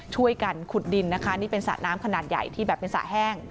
ช่วยกันขุดดินนะคะนี่เป็นสระน้ำขนาดใหญ่ที่แบบเป็นสระแห้ง